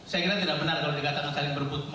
saya kira tidak benar kalau dikatakan saling berputma